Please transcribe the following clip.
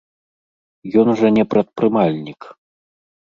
Ён жа не прадпрымальнік.